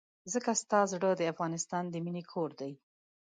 ځکه ستا زړه د افغانستان د مينې کور دی.